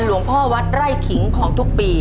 หลวงพ่อวัดไร่ขิงของทุกปี